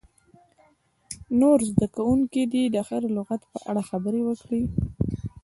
نور زده کوونکي دې د هر لغت په اړه خبرې وکړي.